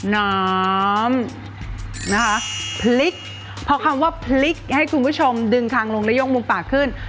น้ำนะคะพลิกเพราะคำว่าพลิกให้คุณผู้ชมดึงทางลงและยกมุมปากขึ้น